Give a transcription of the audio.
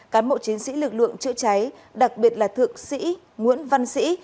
cán bộ chiến sĩ lực lượng chữa cháy đặc biệt là thượng sĩ nguyễn văn sĩ